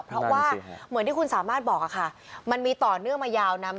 เพราะว่าเหมือนที่คุณสามารถบอกค่ะมันมีต่อเนื่องมายาวนาน